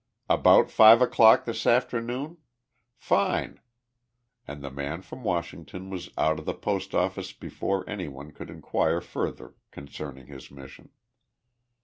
About five o'clock this afternoon? Fine!" and the man from Washington was out of the post office before anyone could inquire further concerning his mission.